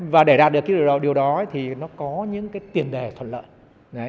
và để đạt được cái điều đó thì nó có những tiền đề thuận lợi